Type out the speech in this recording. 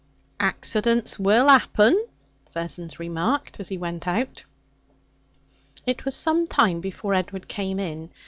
'Accidents will 'appen,' Vessons remarked, as he went out. It was some time before Edward came in.